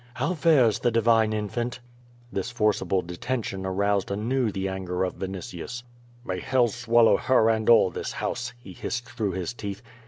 "How fares the divine infant?'* This forcible detention aroused anew the anger of Vinitius. "May Hell swallow her and all this house/' he hissed through his teeth.